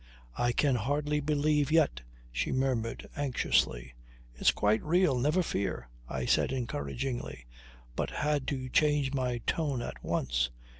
"I can hardly believe yet," she murmured anxiously. "It's quite real. Never fear," I said encouragingly, but had to change my tone at once.